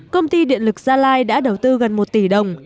công ty điện lực gia lai đã đầu tư gần một tỷ đồng